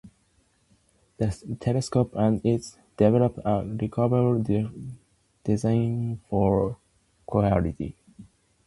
The telescope and its enclosure developed a revolutionary design for optimal image quality.